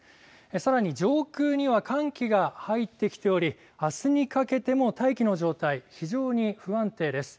さらに、上空には寒気が入ってきておりあすにかけても大気の状態非常に不安定です。